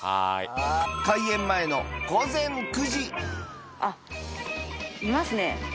開園前の午前９時あっいますね。